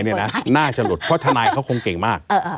กฎหมายนี่น่าจะหลุดเพราะทนายเขาคงเก่งมาก